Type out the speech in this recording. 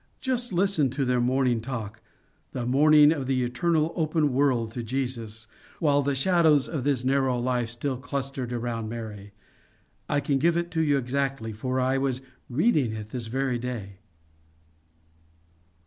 Just listen to their morning talk the morning of the eternal open world to Jesus, while the shadows of this narrow life still clustered around Mary: I can give it you exactly, for I was reading it this very day.